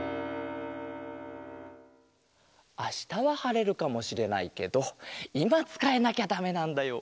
あしたははれるかもしれないけどいまつかえなきゃだめなんだよ